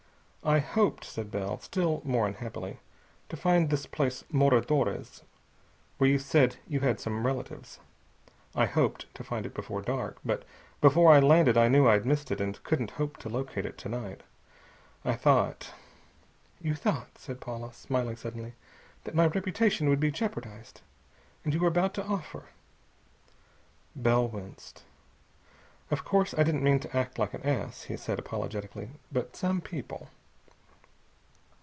"I hoped," said Bell, still more unhappily, "to find this place Moradores, where you said you had some relatives. I hoped to find it before dark. But before I landed I knew I'd missed it and couldn't hope to locate it to night. I thought " "You thought," said Paula, smiling suddenly, "that my reputation would be jeopardized. And you were about to offer " Bell winced. "Of course I don't mean to act like an ass," he said apologetically, "but some people...."